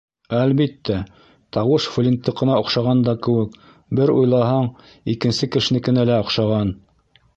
Әлбиттә, тауыш Флинттыҡына оҡшаған да кеүек, бер уйлаһаң, икенсе кешенекенә лә оҡшаған.